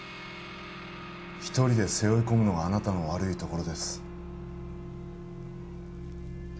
一人で背負い込むのがあなたの悪いところです